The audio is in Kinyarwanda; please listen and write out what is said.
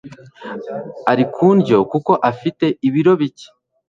Ari ku ndyo kuko afite ibiro bike.